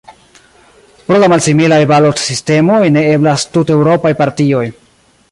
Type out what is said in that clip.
Pro la malsimilaj balotsistemoj, ne eblas tuteŭropaj partioj.